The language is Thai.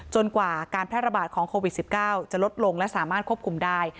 กว่าการแพร่ระบาดของโควิด๑๙จะลดลงและสามารถควบคุมได้